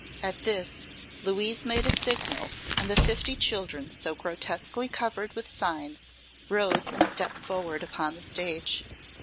At this, Louise made a signal and the fifty children so grotesquely covered with signs rose and stepped forward upon the stage.